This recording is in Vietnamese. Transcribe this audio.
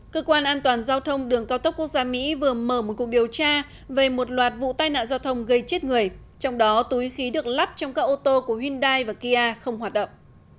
cơ quan an toàn giao thông đường cao tốc quốc gia mỹ vừa mở một cuộc điều tra về một loạt vụ tai nạn giao thông gây chết người trong đó túi khí được lắp trong các ô tô của hyundai và kia không hoạt động